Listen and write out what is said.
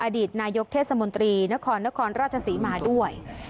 อดีตนายกเทศมนตรีนครนครราชศรีมาด้วย